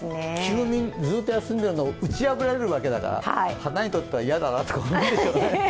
ずっと休んでいるのを打ち破られるわけだから、花にとっては、嫌だなと思うでしょうね。